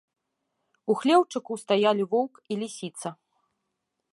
У хлеўчуку стаялі воўк і лісіца.